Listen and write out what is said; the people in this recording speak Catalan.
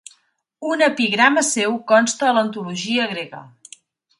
Un epigrama seu consta a l'antologia grega.